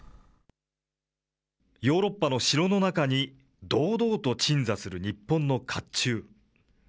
ヨーロッパの城の中に堂々と鎮座する日本のかっちゅう。